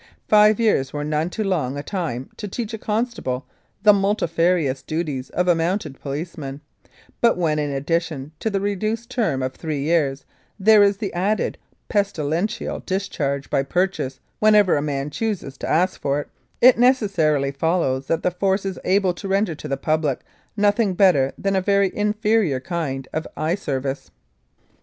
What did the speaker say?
Five years were none too long a time to teach a constable the multi farious duties of a mounted policeman; but when, in addition to the reduced term of three years there is added the pestilential discharge by purchase whenever a man chooses to ask for it, it necessarily follows that the Force is able to render to the public nothing better than a very inferior kind of eye service.